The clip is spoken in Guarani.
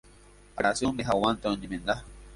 akãrasy ome'ẽ hag̃uánte oñemenda.